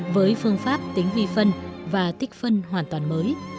với phương pháp tính vi phân và tích phân hoàn toàn mới